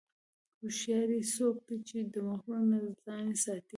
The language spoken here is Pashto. هوښیار څوک دی چې د مغرورۍ نه ځان ساتي.